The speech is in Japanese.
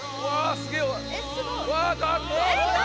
すげえ！